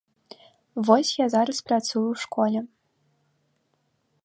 Вось я зараз працую ў школе.